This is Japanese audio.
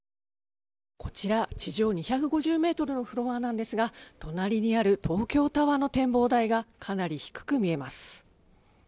こちら、地上２５０メートルのフロアなんですが隣にある東京タワーの展望台がかなり低く見えます。